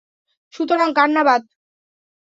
সুতারং কান্না বাদ।